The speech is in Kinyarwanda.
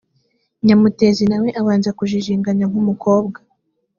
nyamutezi na we abanza kujijinganya nk umukobwa